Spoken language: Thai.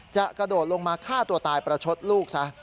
กระโดดลงมาฆ่าตัวตายประชดลูกซะ